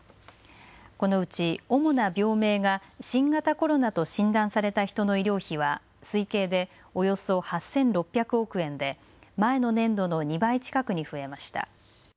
このうち主な病名が新型コロナと診断された人の医療費は推計でおよそ８６００億円で前の年度の２倍近くに増えました。